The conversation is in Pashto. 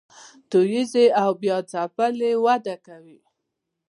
توییږي او بیا ځپلې وده کوي